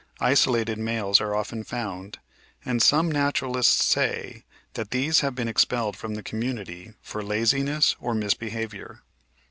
Isolated males are often found, and some naturalists say that these have been expelled from the community for laziness or mis behaviour.